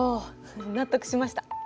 納得しました。